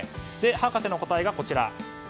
博士の答えがこちら。